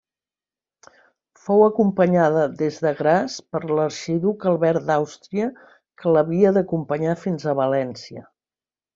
Fou acompanyada des de Graz per l'arxiduc Albert d'Àustria, que l'havia d'acompanyar fins a València.